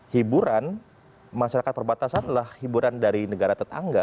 hiburan masyarakat perbatasan adalah hiburan dari negara tetangga